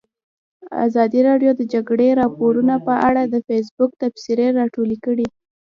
ازادي راډیو د د جګړې راپورونه په اړه د فیسبوک تبصرې راټولې کړي.